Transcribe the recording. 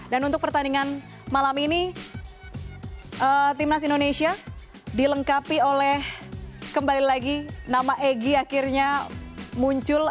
dan untuk pertandingan malam ini timnas indonesia dilengkapi oleh kembali lagi nama egy akhirnya muncul